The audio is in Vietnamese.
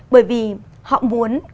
bởi vì họ muốn